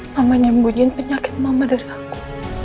mama nyembunyiin penyakit mama dari aku